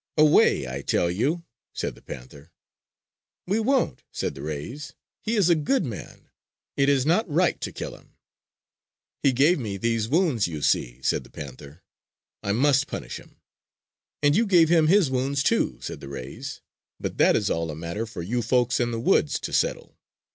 "Away, I tell you!" said the panther. "We won't!" said the rays. "He is a good man. It is not right to kill him!" "He gave me these wounds you see," said the panther. "I must punish him!" "And you gave him his wounds, too," said the rays. "But that is all a matter for you folks in the woods to settle.